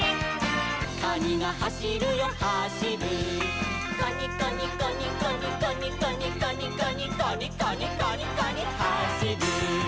「カニがはしるよはしる」「カニカニカニカニカニカニカニカニ」「カニカニカニカニはしる」